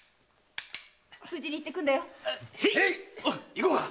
行こうか。